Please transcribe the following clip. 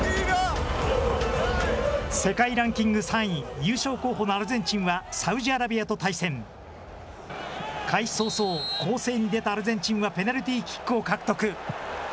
世界ランキング３位、優勝候補のアルゼンチンは、サウジアラビアと対戦。開始早々、攻勢に出たアルゼンチンはペナルティーキックを獲得。